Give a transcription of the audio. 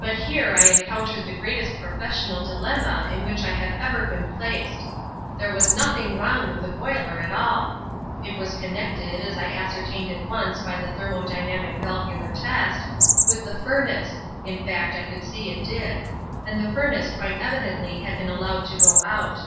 "But here I encountered the greatest professional dilemma in which I have ever been placed. There was nothing wrong with the boiler at all. It connected, as I ascertained at once by a thermo dynamic valvular test, with the furnace (in fact, I could see it did), and the furnace quite evidently had been allowed to go out.